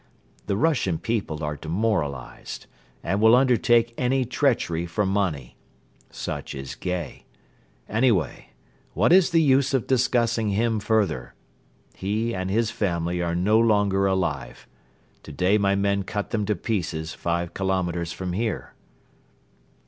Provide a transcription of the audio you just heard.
The Russian people are demoralized and will undertake any treachery for money. Such is Gay. Anyway, what is the use of discussing him further? He and his family are no longer alive. Today my men cut them to pieces five kilometres from here."